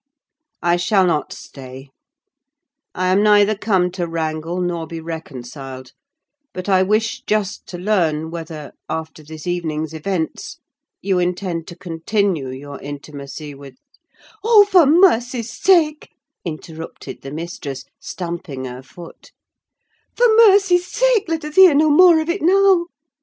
"I shall not stay. I am neither come to wrangle nor be reconciled; but I wish just to learn whether, after this evening's events, you intend to continue your intimacy with—" "Oh, for mercy's sake," interrupted the mistress, stamping her foot, "for mercy's sake, let us hear no more of it now!